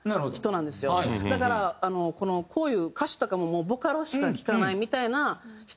だからこういう歌手とかもボカロしか聴かないみたいな人で。